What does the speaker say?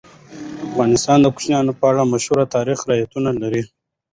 افغانستان د کوچیانو په اړه مشهور تاریخی روایتونه لري.